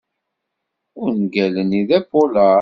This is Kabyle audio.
Ungal-nni d apulaṛ.